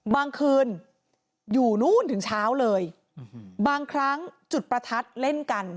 เมื่อคืนอยู่นู้นถึงเช้าเลยบางครั้งจุดประทัดเล่นกัน